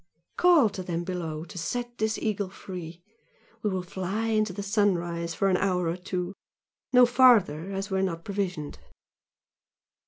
Call to them below to set this Eagle free; we will fly into the sunrise for an hour or two, no farther, as we are not provisioned."